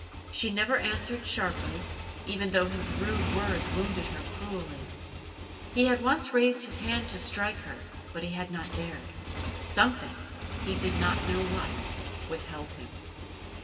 She never answered sharply, even though his rude words wounded her cruelly. He had once raised his hand to strike her, but he had not dared; something he did not know what withheld him.